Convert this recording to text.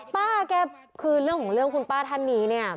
ป้าแกคือเรื่องของเรื่องคุณป้าท่านนี้เนี่ย